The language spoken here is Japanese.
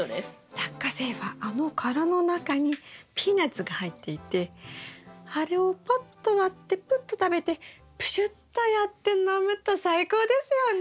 ラッカセイはあの殻の中にピーナツが入っていてあれをパッと割ってプッと食べてプシュッとやって飲むと最高ですよね。